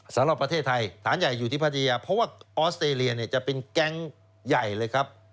สำหรับประเทศไทยฐานใหญ่อยู่ที่พัทยาเพราะว่าออสเตรเลียเนี่ยจะเป็นแก๊งใหญ่เลยครับ